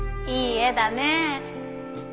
いい絵だねえ。